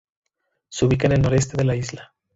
Se ubica en el noroeste de la isla.